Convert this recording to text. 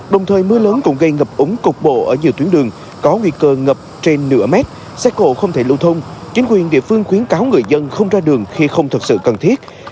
đồng thời mưa lớn cũng gây ngập úng cục bộ ở nhiều tuyến đường có nguy cơ ngập trên nửa mét xe cổ không thể lưu thông chính quyền địa phương khuyến cáo người dân không ra đường khi không thật sự cần thiết